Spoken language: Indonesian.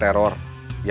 terus terbunuh di jakarta